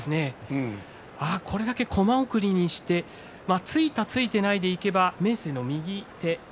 これだけコマ送りにしてついた、ついてないでいえば明生の右手。